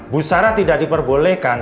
bu sara tidak diperbolehkan